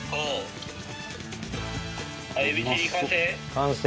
完成。